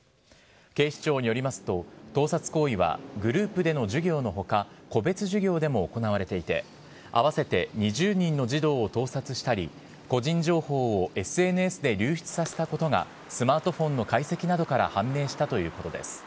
警視庁によりますと、盗撮行為はグループでの授業のほか、個別授業でも行われていて、合わせて２０人の児童を盗撮したり、個人情報をＳＮＳで流出させたことがスマートフォンの解析などから判明したということです。